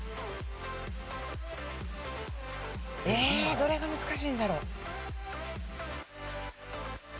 どれが難しいんだろう？